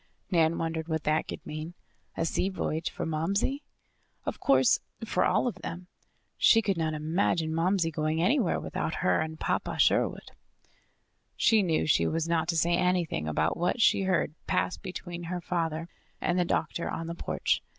Nan wondered what that could mean. A sea voyage for Momsey? Of course, for all of them. She could not imagine Momsey going anywhere without her and Papa Sherwood. She knew she was not to say anything about what she heard pass between her father and the doctor on the porch.